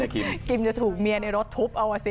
กิมกิมจะถูกเมียในรถทุบเอาอ่ะสิ